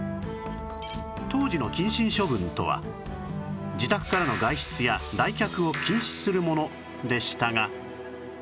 当時の謹慎処分とは自宅からの外出や来客を禁止するものでしたが